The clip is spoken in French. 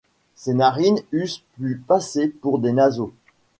Ses narines eussent pu passer pour des naseaux.